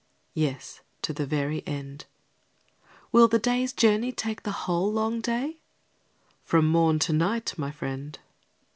Yes, to the very end. Will the day's journey take the whole long day? From morn to night, my friend.